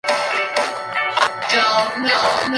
A partir de entonces se realiza cada cuatro años.